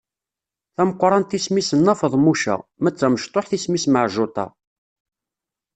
Tameqrant isem-is Nna Feḍmuca, ma d tamecṭuḥt isem-is Meɛǧuṭa.